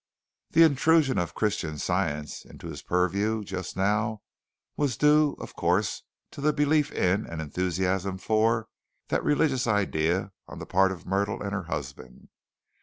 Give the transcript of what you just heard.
The intrusion of Christian Science into his purview just now was due, of course, to the belief in and enthusiasm for that religious idea on the part of Myrtle and her husband.